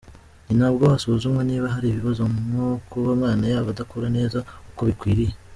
Ninabwo hasuzumwa niba hari ibibazo nko kuba umwana yaba adakura neza uko bikwiriye.